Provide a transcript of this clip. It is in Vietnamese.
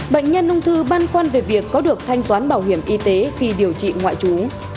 bệnh nhân nông thư ban quan về việc có được thanh toán bảo hiểm y tế khi điều trị ngoại trú